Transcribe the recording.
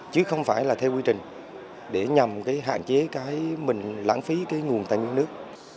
chứ không phải là theo quy trình để nhằm hạn chế cái mình lãng phí cái nguồn tài nguyên nước